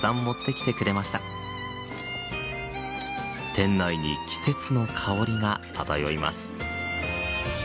店内に季節の香りが漂います。